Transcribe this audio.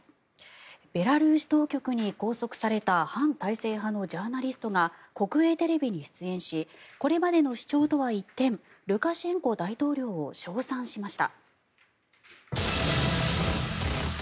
ベラルーシ当局に拘束された反体制派のジャーナリストが国営テレビに出演しこれまでの主張とは一転ルカシェンコ大統領を称賛しました。